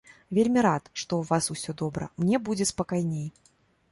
Вельмі рад, што ў вас усё добра, мне будзе спакайней.